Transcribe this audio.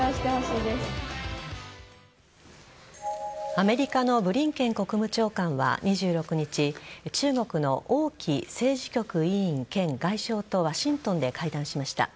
アメリカのブリンケン国務長官は２６日中国の王毅政治局委員兼外相とワシントンで会談しました。